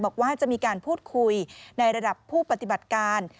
บอกว่าจะมีการพูดคุยในระดับผู้ปฏิบัติการ